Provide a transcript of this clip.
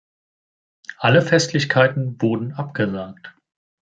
Alle Festlichkeiten wurden abgesagt.